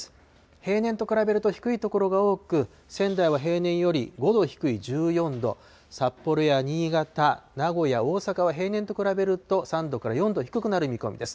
平年と比べると低い所が多く、仙台は平年より５度低い１４度、札幌や新潟、名古屋、大阪は平年と比べると３度から４度低くなる見込みです。